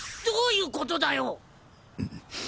どういうことだよ！